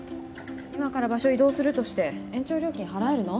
今から場所移動するとして延長料金払えるの？